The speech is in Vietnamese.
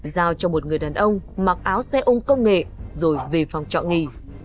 giao cho một người đàn ông mặc áo xe ung công nghệ rồi về phòng trọ nghỉ